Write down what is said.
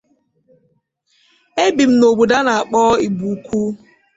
E bujere ya n’ụlọ ọgwụ na Boston.